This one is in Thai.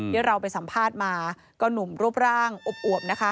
ที่เราไปสัมภาษณ์มาก็หนุ่มรูปร่างอวบนะคะ